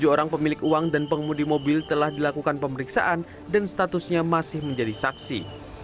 tujuh orang pemilik uang dan pengemudi mobil telah dilakukan pemeriksaan dan statusnya masih menjadi saksi